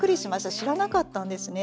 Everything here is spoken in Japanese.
知らなかったんですね。